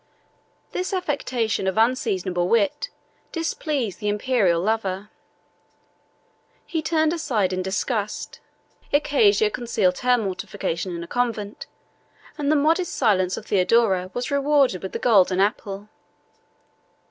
This affectation of unseasonable wit displeased the Imperial lover: he turned aside in disgust; Icasia concealed her mortification in a convent; and the modest silence of Theodora was rewarded with the golden apple.